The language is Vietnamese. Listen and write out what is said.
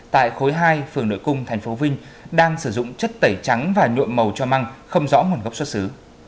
tại khối hai phường nội cung tp vinh đang sử dụng chất tẩy trắng và nhuộm màu cho măng không rõ nguồn gốc xuất xứ